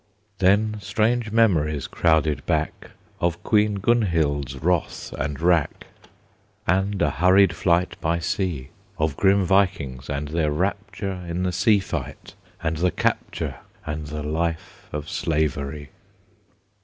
Then strange memories crowded back Of Queen Gunhild's wrath and wrack, And a hurried flight by sea; Of grim Vikings, and their rapture In the sea fight, and the capture, And the life of slavery.